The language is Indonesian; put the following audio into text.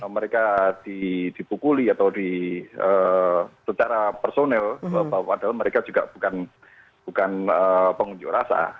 mereka dibukuli atau secara personil bahwa padahal mereka juga bukan pengunjuk rasa